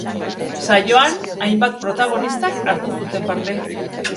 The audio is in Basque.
Saioan hainbat protagonistak hartu zuten parte.